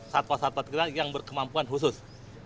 satwa satwa kita yang berkemampuan khusus